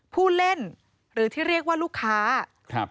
ผู้เล่นหรือที่เรียกว่าลูกค้าครับ